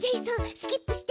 スキップして。